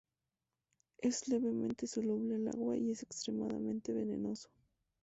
Es levemente soluble en agua y es extremadamente venenoso.